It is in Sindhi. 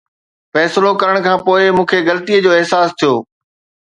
فيصلو ڪرڻ کان پوءِ مون کي غلطي جو احساس ٿيو.